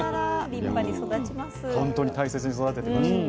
本当に大切に育ててましたよね。